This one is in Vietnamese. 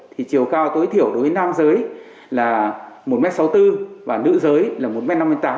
thì chiều cao tối thiểu đối với nam giới là một m sáu mươi bốn và nữ giới là một m năm mươi tám